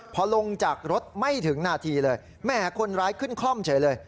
พอลงจากรถไม่ถึงนาทีเลยแหมคนร้ายขึ้นคล่อมเฉยเลย